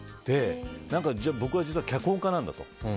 僕、実は脚本家なんだと。